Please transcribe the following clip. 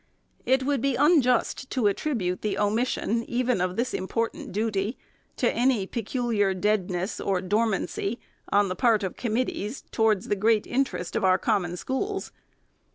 It would be unjust to attribute the omission even of this important duty to any peculiar deadness or dormancy, on the part of committees, towards the great interest of our Common Schools.